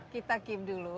kita keep dulu